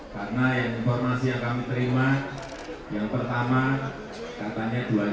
karena informasi yang kami terima yang pertama katanya dua